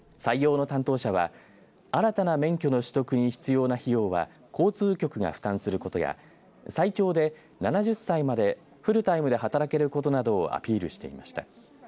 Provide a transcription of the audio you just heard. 採用の担当者は新たな免許の取得に必要な費用は交通局が負担することや最長で７０歳までフルタイムで働けることなどをアピールしていました。